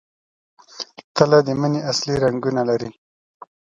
تله د مني اصلي رنګونه لري.